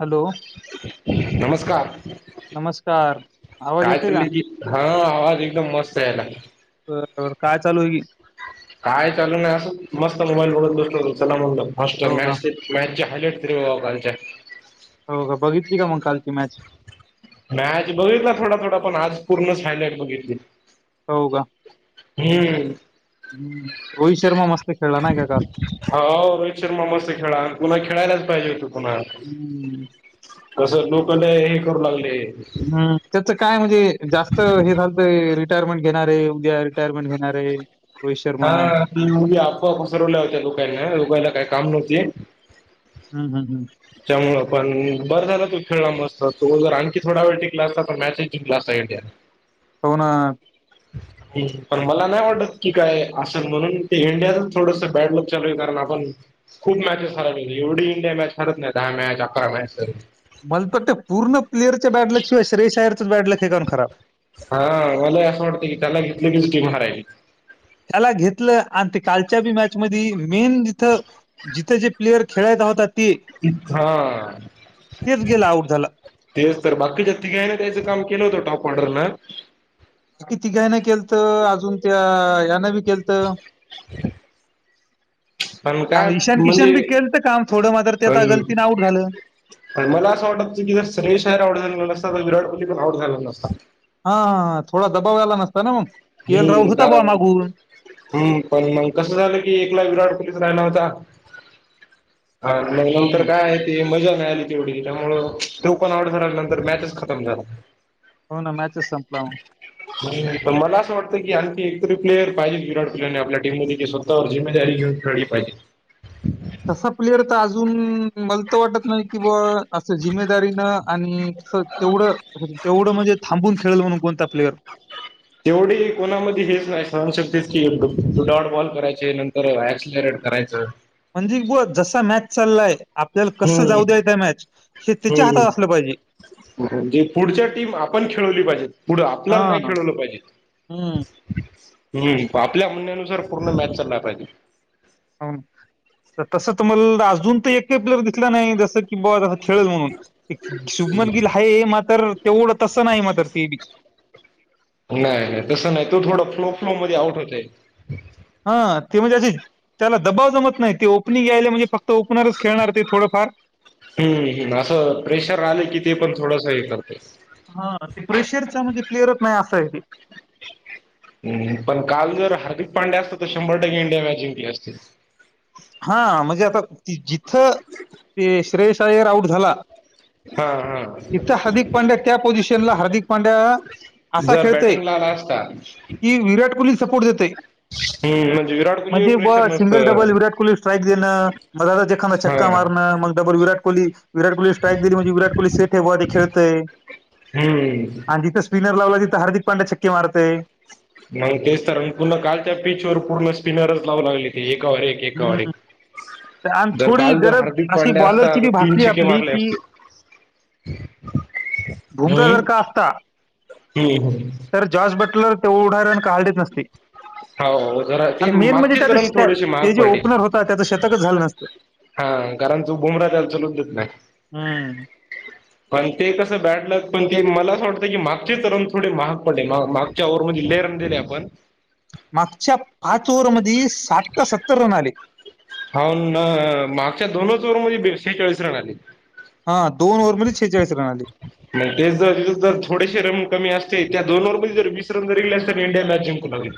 Hello. नमस्कार. नमस्कार. आवाज काय येतोय का? चाललंय की हा आवाज एकदम मस्त यायला. बर बर. काय चालूय की? काय चालू नाही. असंच मस्त मोबाईल बघत बसलो होतो. चला म्हणलं फास्टा हो का मॉचेस मॅच ज हायलाईट त काच्या [unintelligible] हो का? बघितली का मग कालची मॅच? मॅच बघितला थोडा थोडा पण आज पूर्णच हायलाईट बघितली. होव का? हम्म. हम्म. रोहित शर्मा मस्त खेळला नाही का काल? हाव रोहित शर्मा मस्त खेळा. पुन्हा खेळायलाच पाहिजे होतं पुन्हा. हम्म. कसं लोकाना हे करू लागले. हम्म त्याचं काय म्हणजे जास्त हे झालतय रिटायरमेंट घेणारे. उद्या रिटायरमेंट घेणारे. हा ती अफवा पसरवल्या होत्या लोकांनी. लोकांना काही काम नव्हते. हम्म हम्म हम्म. त्यामुळ पण बर झालं तो खेळला मस्त. तो जर आणखी थोड वेळ टिकला असता. तर मॅचे जिंकला असता इंडिया. [inaudible] हो ना. हम् [inaudible] पण मला नाही वाटत की काय असेल म्हणून. ते इंडियाचच थोडस बॅड लक चालूये. कारण आपण खूप मॅचेस हरावले. एवढी इंडिया मॅच हरत नाही. दहा मॅच. अकरा मॅच. मला वाटतं. पूर्ण प्लेयरच्या बॅडलक शिवाय श्रेय शयरचं बॅडलके काणू खराब? हा मला असं वाटतं की त्याला घेतली कीच टीम हारायची. त्याला घेतलं. आणि ते कालच्या बी मॅच मध मेन जिथं जिथे जे प्लेयर खेळायचा होतात. हा. तेच गेला आउट झाला तेच तर, बाकीच्या तिघानी त्याचं काम केलं होतं. टॉप ऑर्डरला. कि तीघायन केलत. अजून त्या यान केलंत. पण त्या काय ईशान किशन बी म्हणजे केलत काम. थोडं मात्र गलतीने आउट झालं. पण मला असं वाटतं की जर स्रेशायर आउट झालं नसता तर विराट कोहली पण आउट झाला नसता. हां. हां. हां. थोडा दबाव यायला नसता ना मग? के एल हम्म राहूल होता बा कारण मागून. हम्म. पण मग कसं झालं की एकला विराट कोहलीच राहिला होता. हा. मग हो नंतर ना काय आहेत- ते मजा नाही आली तेवढी. त्यामुळ तो पण आउट झाला आन नंतर मॅचच खतम झाला. हो ना. मॅचच संपला. मला असं वाटतं की आणखी एकतरी प्लेयर पाहि. जे विराट प्लेयर आपल्या टीम मध्ये. वर जिमेदारी घेऊन खेळली पाहिजे. तसा प्लेयर तर अजून, मला तर वाटत नाही की बुवा असं जिम्मेदारीनं आणि त- तेवढं तेवढं म्हणजे थांबून खेळल म्हणून कोणता प्लेअर. तेवढी कोणामध्ये हेच नाही सहनशक्ती [unintelligible] बॉल करायचे नंतर [unintelligible] करायचं म्हणजे बुवा जसा मॅच चाललाय- आपल्याला कसं जाऊ हम्म द्यायचाय मॅच. हे त्याच्या हातात हम्म असलं पाहिजे. जे पुढच्या टीम आपण खेळवली पाहिजेत. पुढ हा आपल्याला नाही खेळवलं पाहिजे. हम्म हम्म. आपल्या म्हणण्यानुसार पूर्ण मॅच चालला पाहिजे. हं. तसं तर मला अजून तर एकही प्लेयर दिसला नाही जसं की बुवा तस खेळल म्हणून. एक शुभमन गिल हाये मातर तेवढं तसं नाही मातर ते बी. नाही नाही. तसं नाही. तो थोडा फ्लो फ्लो मध्ये आउट होतोय. हा. ते म्हणजे अचीच- त्याला दबाव जमत नाही. ते ओपनिंग यायलए म्हणजे फक्त ओपनरच खेळणार ते थोडंफार. हम्म हम्म. असं प्रेशर आलं की ते पण थोडस हे करत. हा. ते प्रेशरचा म्हणजे प्लेअरच नाही असंय ते. हं. पण काल जर हार्दिक पांड्या असता तर शंभर टक्के इंडिया मॅच जिंकली असती. हा. म्हणजे आता जिथं ते श्रेयस आय्यर आऊट झाला- हा. हा. तिथं हार्दिक पांड्या त्या पोझिशनला, हार्दिक पांड्या- असा जर खेळतोय बॅटिंगला आला असता- की विराट कोहली सपोर्ट देतोय. हम्म. म्हणजे विराट कोहलीवर प्रेशर नसत. कोली स्ट्राईक देणं. मधूनच एकादा छक्का मारण मग डबल विराट कोहली- विराट कोहली स्ट्राईक दिली म्हणजे विराट कोहली सेफ आहे बुवा ते खेळतय. हम्म आणि जिथे- स्पिनर लावला तिथे हार्दिक पांड्या छक्के मारतय. म तेच तर पुन्हा कालच्या पीच वर पूर्ण स्पिनर लावू लागले ते एकावर एक. एकावर हं. एक. आणि बर थोडी काल जर गरज हार्दिक अशी पांड्या असता बॉलरची तर बी तीन भासली छक्के आपली मारले की असते. भुमरा हम्म जर का असता? हम्म हम्म तर- जॉर्ज बटलर तेवढा रन काढलेत नसते. होव. खरय ते आणि मागचेच रन थोडेशे महाग पडले. ह. त्याच शतकच झालं नसतं. हा. कारण तो बुमरा त्याला चलूूच देत नाही. हम्म. पण ते कसं बॅडलक पण ते मला असं वाटतं की मागचेच रन थोडे महाग पडले. मा माग - च्या वर म्हणजे लई रन दिले आपण. मागच्या पाच ओव्हर मध्ये साठ का सत्तर रन आले. हाव ना. मागच्या दोनच ओवरमधे बे शेहेचाळीस रन आले. हा दोन ओव्हरध्ये शेहेचाळीस रन आले. मग तेच जर जर थोडेसे रन कमी असते त्या दोन ओवरर मध्ये जर वीस रन जर गेले अस इंडिया मॅच जिकल लागली.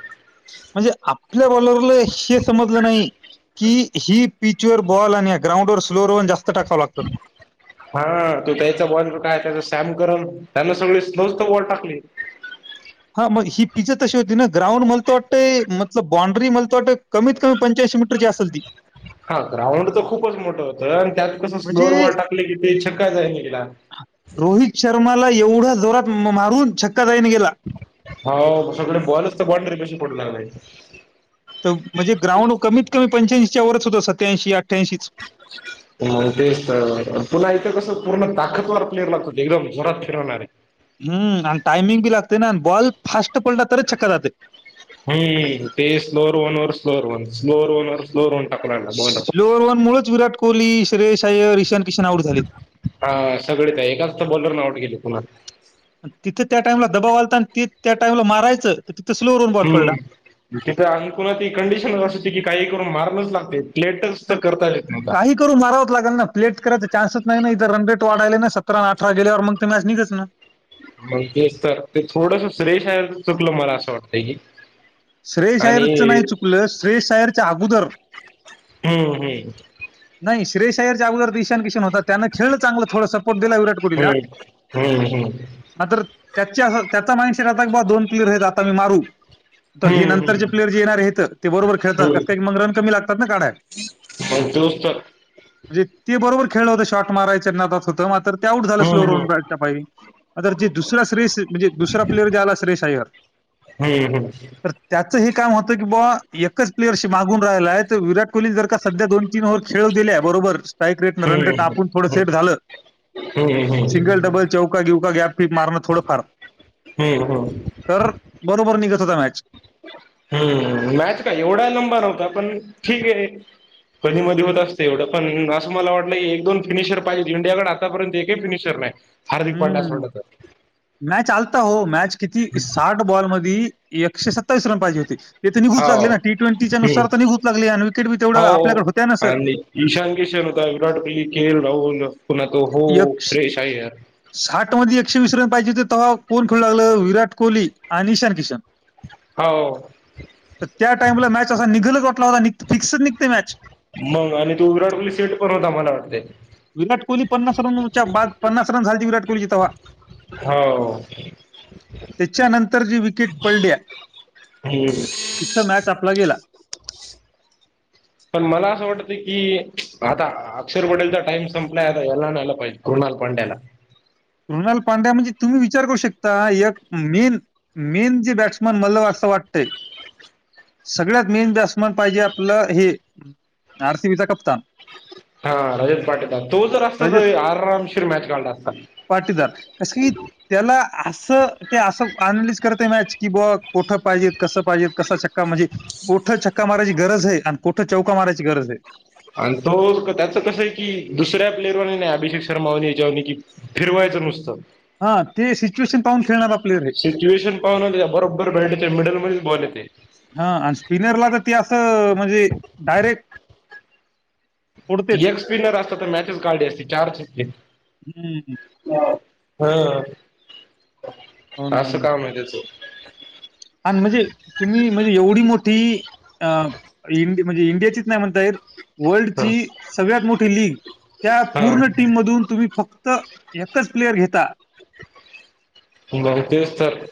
म्हणजे आपल्या बॉलरला हे समजल नाही. की ही पिचवर बॉल आणि या ग्राउंड वर स्लोवर राहून जास्त टाकाव लागतात. हा तो त्या याचा बॉल काय त्याचा सॅम करून त्यांना सगळी स्लोज तर बॉल टाकली. हा मग ही पिच तशी होती ना, ग्राउंड मला त वाटतय मतल बाउंडरी ममला तर वाटतय. कमीत कमी पंच्याऐंशी मीटरची असल ती. हा ग्राउंड तर खूपच मोठ होत आणि त्यात कस स्लोर म्हणजे बॉल टाकल की, ते छक्का जाई निघला. रोहित शर्माला एवढ्या जोरात मारून छक्का जाईन गेला. हो सगळे बॉलच तर बॉनडरी बशी पडू लागलेय. तर म्हणजे ग्राउंड कमीत कमी पंच्याऐंशीच्या वरच होत सत्याऐंशी अठ्ठ्याऐंशीच. [inaudible] तेच तर पुन्हा इथ कस पूर्ण ताकतवार प्लेअर लागतात एकदम जोरात फिरवणारे. हम् आणि टायमिंग बी लागते ना आणि बॉल फास्ट पडला तरच छक्का जाते. हम्म ते स्लोवर वनवर स्लोअर व स्लोवर वनवर स्लोर न टाकू राहिला बॉलर. स्लोवर वनमुळेच विराट कोहली, श्रेयस, अयर रिशांत, किशन आऊट झाले. हा सगळेच त्या एकाच तर बॉलरने आउट केली पुन्हा. तिथे त्या टाइमला दबाव आलता आणि त त्या टाइमला मारायच तर तिथ स्लोव र न बॉल पडला. तिथ अकुणा त कंडिशन अस त की काही करून मारणच लागते प्लेटच तर करता येत नव्हता. करू माराव लागल ना प्लेट करायचा चान्स च नाही ना इथ रन रेट वाढाला ना सतरा अठरा गेल्यावर मग ते मॅच निघच ना. मग तेच तर ते थोडस श्रेयश अयर च चुकल मला अस वाटतय की, श्रेयस अयर आणि च नाही चुकल श्रेयस आयरच्या अगोदर हम्म हम्म नाही श्रेयस आयरच्या अगोदर ईशान किशन होता त्यान खेळ चांगल थोड सपोर्ट दिला विराट कोहलीला. हम्म हम्म हम् मात्र त्याचे अस त्याचा माईंड सेट असा राहते की बा दोन प्लेयर आहेत आता मी मारू. हम्म तर हे नंतरचे हम्म प्लेयर ज येणार आहेत ते बरोबर खेळतात हम्म कस काय की मग रन कमी लागतात ना काढायल. [unintelligible] म्हणजे ते बरोबर खेळल होतं शॉट मारयचच्या ना होतं मात्र ते आउ झालं हम्म हम्म स्लोवरन बॅटच्या पाहि आर जे दुसरा श्रे यश म्हणजे दुसरा प्लेअर ज आला् श्रेयस आयर. हम्म हम्म तर त्याचहे काम होत की बा एकच प्लेयरशी मागून राहिलाय तर विराट कोहली जर का सध्या दोन तीन ओव्हर खेळू दिल्या बरोबर स्ट्राईक रेट रन रेट आपण थोड सेट झाल. हमम हम सिंगल, डबल, चौका, गिवका गॅप गिप मारण थोडफार. हम्म बरोबर तर बरोबर निघत होता मॅच हम्म मॅच का एवढा लंबा नव्हता पण ठीक आहे. कधी मधी होत असते एवढ पण अस मला वाटल की एक दोन फिनिशर पाहिजे इंडियाकडे. आता पर्यंत एकही फिनशर नाही. हार्दिक पांड्या हम्म सोडला तर नाही चालतो हो मॅच किती साठ बॉलमध्ये एकशे सत्तावीस रन पाहिजे होते, ते तर निघून लागले हो ना टी ट्वेंटी ना हम्म ट्वेंटीच्याुसार तर निघत लागले आणि विकेटी तेवढं हो. आपल्याकडे होतय नास आणि ईशान किशन होता विराट कोहली खेल राहुल पुन्हा तो हो एकशे श्रेयश आहे. साठ मध्ये एकशे वीस रन पाहिजे होते. तेवा कोण खेळू लागलं. विराट कोहली आणि ईशान किशन. हो. तर त्या टाइमला, मॅच असा निघलच वाटला होता. फिक्सच निघतय मॅच. मग आणि तो विराट कोली सेट पण होता. मला वाटतय. विराट कोहली पन्नास रनच्या, बाद पन्नास रन झालती, विराट कोहलीच्या तवा. हो. त्याच्यानंतर, जी विकेट पडलीया [inaudible] तिथं, मॅच आपला गेला. पण मला असं वाटतंय की, आता अक्षर पटेलचा टाइम संपलाय. आता याला आणायला पाहिजे. कृणाल पांडयाला. रुणाल पांड्या म्हणजे, तुम्ही विचार करू शकता. एक मेन मेन जे बॅट्समन, मलं असं वाटतंय. सगळ्यात मेन बॅट्समॅन पाहिजे. आपलं, हे, आर सी बीचा कप्तान. हा रजत पाटीदार. तो जर असता, रजत तर आरामशीर मॅच काढला असता. पाटीदार. कशी त्याला असं. ते असं अनालिस करत मॅच की, बुवा कठं पाहिजेत? कसं पाहिजे? कस शक म्हणजे, कोठं छक्का मारायची गरजय आन कोठं चौका मारायची गरजय आन तो, त्याच कसय की, दुसऱ्या प्लेअरवर वणी नाही. अभिषेक शर्मावणी, याच्यावनी कि, फिरवायचं नुसतं. हा ते सिच्युएशन पाहून खेळणारा प्लेअर आहे सिच्युएशन पाहून, तेच्या बरोबर बॅटच्या, मिडल मध्येच बॉल येतेय. हा अन् स्पिनरला तर ते असं, म्हणजे डायरेक्ट फोडतेच एक स्पिनर असत, तर मॅचच काढली असती. चार छक्के. ह. हो ना असं कामय त्याचं. अन म्हणजे, तुम्ही म्हणजे एवढी मोठी. अ इं म्हणजे इंडियाचीच नाही म्हणता येत. ह वर्ल्डची, सगळ्यात मोठी लीग. त्या हा पूर्ण टीम मधून तुम्ही फक्त, एकच प्लेयर घेता. बहुतेक तर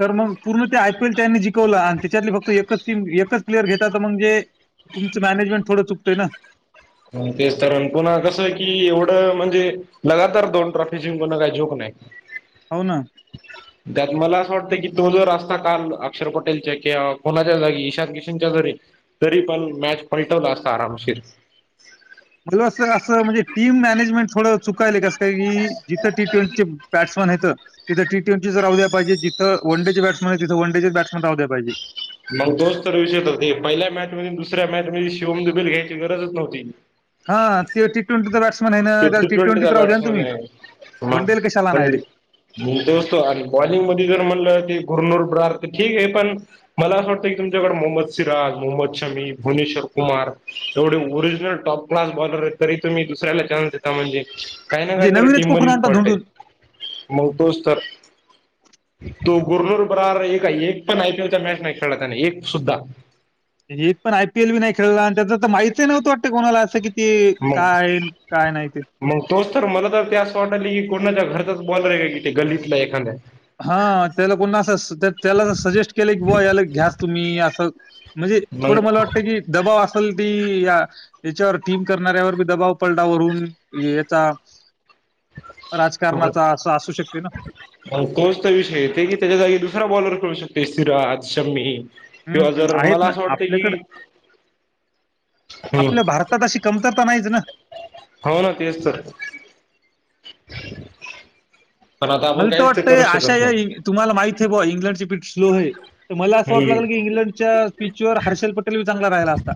तर मग, पूर्ण ते आय पी एल त्यानी जिकवलं. आन त्याच्यातले फक्त एकच टीम, एकच प्लेयर घेतात. म्हणजे, तुमचं मॅनेजमेंट थोडं चुकतंय ना. तेच तर. अन पुन्हा कसं की, एवढं म्हणजे लगातार दोन ट्रॉफी जिंकवणं, काय जोक नाही. हाव ना. [inaudible] त्यात मला असं वाटतं की, तो जर असता काल. अक्षर पटेलच्या किंवा कोणाच्या जागी. ईशान किशनच्या जरी तरी पण, मॅच पलटवला असता आरामशीर. [inaudible] म्हटलं. असं - असं म्हणजे, टीम मॅनेजमेंट थोडं चुक चुकायल, कस काय की? जिथं टी ट्वेंटी चे, बॅट्समन हायत तिथं टी- ट्वेंटीच राहू द्या पायजे. जिथं वन - डेचे बट्समनय, तिथं वन - डेचे बट्समन राहू द्या पायजे. मग तोच तर विषय होत र ती. पहिल्या मॅच मधी न दुसऱ्या मॅच मध्ये, शिवम दुबेल घ्यायची गरजच नव्हती. हा, ते टी - ट्वेंटीचा बटसमॅन हाय न. फिफ्टी त्याला टी- ट्वेंटीचा ट्वेंटीत राहू द्याना बॅट्समन तुम्ही. आहे वन- डेला कशाला आणायली. मग तोच तो आणि बॉलिंग मध्ये जर म्हणलं, ती घुरनुर ब्रार तर, ठीकय. पण मला असं वाटतंय की, तुमच्याकडे मोहम्मद सिराज, मोहम्मद शमी, भुवनेश्वर कुमार एवढे ओरिजिनल टॉप क्लास बॉलरयत. तरी तुम्ही, दुसऱ्याला चान्स देता. म्हणजे, काही ना काय म्हणजे तरी, नवीनच टीम कुठून मध्येच काही तरी आणता फॉल्टय. धुंडून मग तोच तर. तो गुरुर बरार एक एक पण आयपीएल चा मॅच नाही खेळला त्याने एक सुद्धा. त्याचे एक पण आय पीएल बी नाही खेळला आणि त्याच तर माहिच नव्हतं वाटते कोणाला असं की. ते मग काय हाय काय नाही ते. मग तोच तर मला तर ते असं वाटलय की कोणाच्या घरचाच बॉलर आहे का कि ते गल्लीतला एखाद्या. हा त्याला को असं त्याला अस सजेस्ट केलं की बूवा याला घ्यास तुम्ही असं. म्हणजे थोडं मला मग वाटतं की दबाव असेल ती या. याच्यावर टीम करणाऱ्यावर बी दबाव पलडावरून याचा. राजकारणाचा असं असू शकतेय ना. तोच तर विषय येते की त्याच्या जागी दुसरा बॉलर खेळू शकतेय शिराज शम्मी. हं, किंवा हं. जर आहेत मला ना असं वाटत आपल्याकडे कि ह. आता तशी कमतरता नाहीच ना. हो ना तेच तर. पण आता आपण मला तर काहीच वाटतय करू अशा शकत या नाही या तुम्हाला माहित आहे बूवा इंग्लंडची प''--'' स्लो आहे तर मला असं वाट लागल की हम्म इंग्लंडच्या पिचवरर हर्षल पटेल बी चांगला राहिला असता.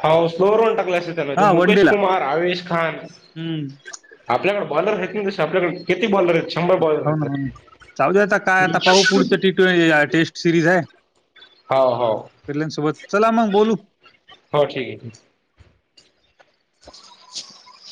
हो स्लोरवन टाकलास त्याला ते हां, वन मुकेश डेला. कुमार आवेश खान. हं. आपल्याकडे बॉलर आहेत ना तसे आपल्याकडे किती बॉलर आहेत. शंभर बॉलर हो ना हो ना आहेत जाऊू दे आता काय आता पाह पुढच टी ट्वेंटी टेस्ट सिरीज आहे. हो हो भेटले ना सोबत चला मग बोलू. हो ठीक ए. [inaudible]